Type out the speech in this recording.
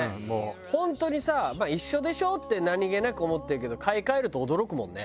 本当にさ一緒でしょって何げなく思ってるけど買い替えると驚くもんね。